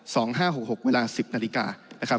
ห้าหกหกเวลาสิบนาฬิกานะครับ